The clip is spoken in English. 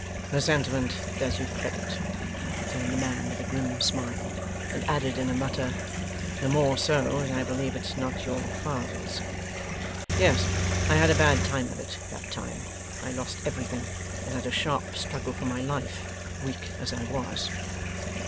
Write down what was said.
'The sentiment does you credit,' returned the man, with a grim smile; and added, in a mutter, 'the more so, as I believe it's not your father's. Yes, I had a bad time of it, that time. I lost everything, and had a sharp struggle for my life, weak as I was.